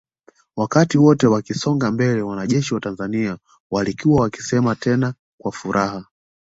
Wakati wote wakisonga mbele wanajeshi wa Tanzania walikuwa wakisema tena kwa furaha